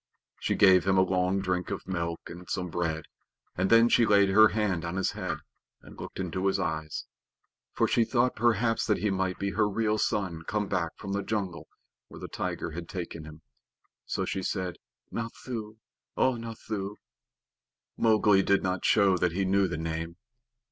She gave him a long drink of milk and some bread, and then she laid her hand on his head and looked into his eyes; for she thought perhaps that he might be her real son come back from the jungle where the tiger had taken him. So she said, "Nathoo, O Nathoo!" Mowgli did not show that he knew the name.